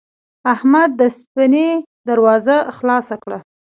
احمد د سفینې دروازه خلاصه کړه.